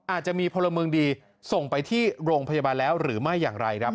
อาจจะมีพลเมืองดีส่งไปที่โรงพยาบาลแล้วหรือไม่อย่างไรครับ